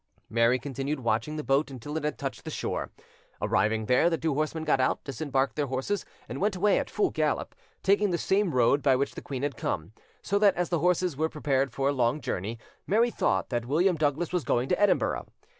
Mary continued watching the boat until it had touched the shore. Arrived there, the two horsemen got out, disembarked their horses, and went away at full gallop, taking the same road by which the queen had come; so that, as the horses were prepared for a long journey, Mary thought that William Douglas was going to Edinburgh.